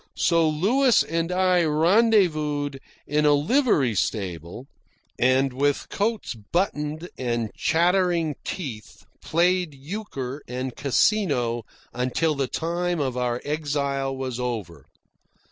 So Louis and I rendezvoused in a livery stable, and with coats buttoned and chattering teeth played euchre and casino until the time of our exile was over.